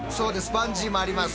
バンジーもあります。